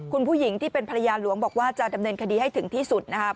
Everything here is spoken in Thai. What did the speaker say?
คุณผู้หญิงที่เป็นภรรยาหลวงบอกว่าจะดำเนินคดีให้ถึงที่สุดนะครับ